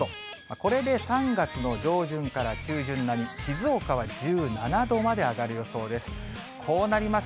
これで３月の上旬から中旬並み、静岡は１７度まで上がる予想です。